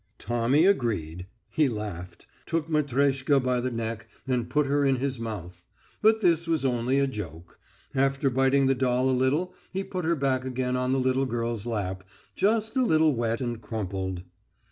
Tommy agreed. He laughed, took Matreshka by the neck and put her in his mouth. But this was only a joke. After biting the doll a little he put her back again on the little girl's lap, just a little wet and crumpled.